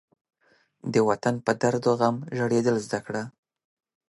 د وطن په درد و غم ژړېدل زده کړه.